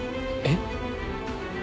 えっ？